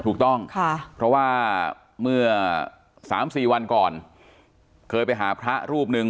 ถูกต้องค่ะเพราะว่าเมื่อ๓๔วันก่อนเคยไปหาพระรูปหนึ่ง